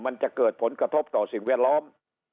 มันจะเกิดผลกระทบต่อสิ่งแวดล้อม